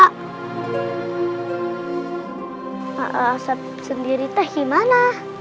kak sepp sendiri teh gimana